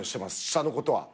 下のことは。